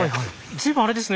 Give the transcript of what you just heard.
随分あれですね